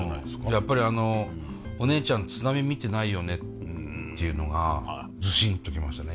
やっぱりあの「お姉ちゃん津波見てないよね」っていうのがズシンと来ましたね。